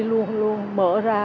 luôn luôn mở ra